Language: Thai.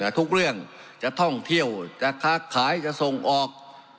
ทุกเรื่องจะท่องเที่ยวจะค้าขายจะส่งออก